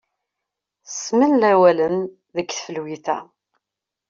Smel awalen deg teflwit-a.